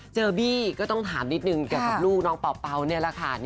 บี้ก็ต้องถามนิดนึงเกี่ยวกับลูกน้องเป่านี่แหละค่ะ